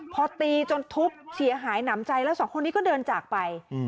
พอตีจนทุบเสียหายหนำใจแล้วสองคนนี้ก็เดินจากไป